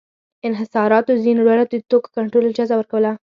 انحصاراتو ځینو ډلو ته د توکو کنټرول اجازه ورکوله.